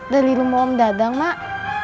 dari rumah om dadang mak